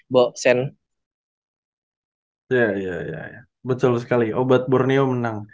ya ya ya betul sekali obat borneo menang